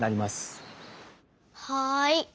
はい。